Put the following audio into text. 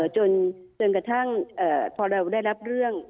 จนกระทั่งพอเราได้รับเรื่อง